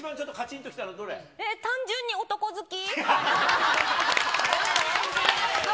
単純に男好き。